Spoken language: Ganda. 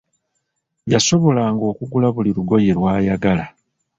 Yasobolanga okugula buli lugoye lw'ayagala.